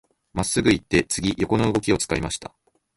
真っすぐ行って、次、横の動きを使いました。